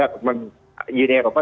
mencoba yang kita dapat